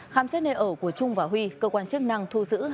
khám xét nơi ở của trung và huy cơ quan chức năng thu giữ